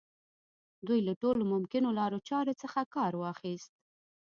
دوی له ټولو ممکنو لارو چارو څخه کار واخيست.